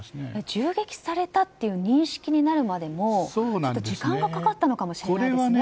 銃撃されたという認識になるまでも時間がかかったのかもしれませんね。